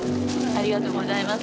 ありがとうございます。